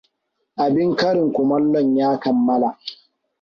Abin karin kumallon ya kammala.